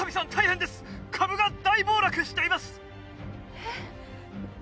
えっ？